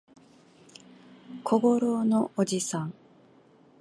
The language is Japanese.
小五郎のおじさん